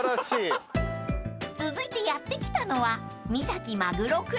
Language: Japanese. ［続いてやって来たのは］